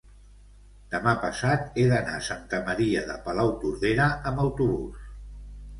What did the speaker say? demà passat he d'anar a Santa Maria de Palautordera amb autobús.